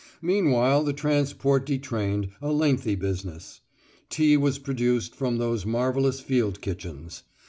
Meanwhile the transport detrained, a lengthy business. Tea was produced from those marvellous field kitchens.